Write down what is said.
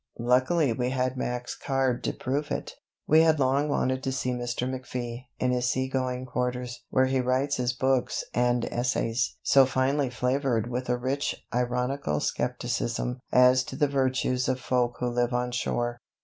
Luckily we had Mac's card to prove it. We had long wanted to see Mr. McFee in his sea going quarters, where he writes his books and essays (so finely flavoured with a rich ironical skepticism as to the virtues of folk who live on shore).